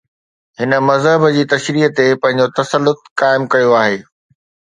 هن مذهب جي تشريح تي پنهنجو تسلط قائم ڪيو آهي.